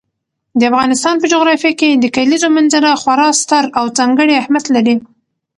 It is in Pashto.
د افغانستان په جغرافیه کې د کلیزو منظره خورا ستر او ځانګړی اهمیت لري.